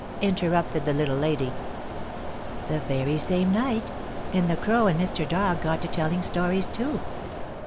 interrupted the Little Lady. The very same night, and the Crow and Mr. Dog got to telling stories, too.